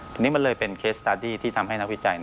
ทีนี้มันเลยเป็นเคสตาร์ตี้ที่ทำให้นักวิจัย